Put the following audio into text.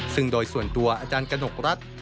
ซึ่งโดยส่วนตัวอาจารย์กระหนกรัฐ